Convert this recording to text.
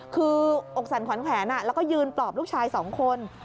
คืออกสั่นขวัญแขวนแล้วก็ยืนปลอบลูกชาย๒คน